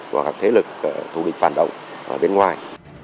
của các thế lực thù địch phản động ở bên ngoài